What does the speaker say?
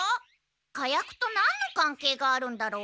火薬となんの関係があるんだろう？